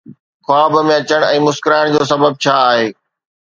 خواب ۾ اچڻ ۽ مسڪرائڻ جو سبب ڇا آهي؟